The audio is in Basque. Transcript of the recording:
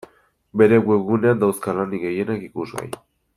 Bere webgunean dauzka lanik gehienak ikusgai.